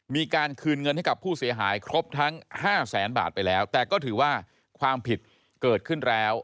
มีการคืนเงินให้กับผู้เสียหายครบทั้ง๕แสนบาทไปแล้วแต่ก็ถือว่าความผิดเกิดขึ้นแล้ว